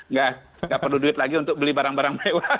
nggak perlu duit lagi untuk beli barang barang mewah